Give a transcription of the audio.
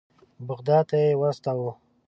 بغداد ته یې واستاوه.